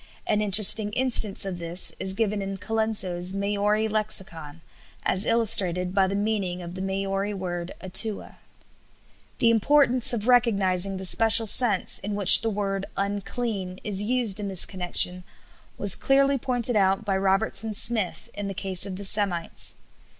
An interesting instance of this is given in Colenso's Maori Lexicon as illustrated by the meaning of the Maori word atua. The importance of recognizing the special sense in which the word "unclean" is used in this connection was clearly pointed out by Robertson Smith in the case of the Semites.